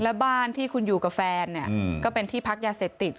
แล้วบ้านที่คุณอยู่กับแฟนเนี่ยก็เป็นที่พักยาเสพติด